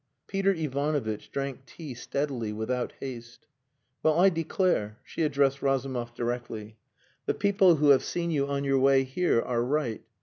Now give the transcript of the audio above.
Peter Ivanovitch drank tea steadily, without haste. "Well, I declare!" She addressed Razumov directly. "The people who have seen you on your way here are right.